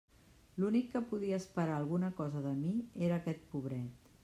L'únic que podia esperar alguna cosa de mi era aquest pobret.